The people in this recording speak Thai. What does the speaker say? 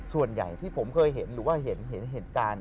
ส่วนใหญ่ที่ผมเคยเห็นหรือว่าเห็นเหตุการณ์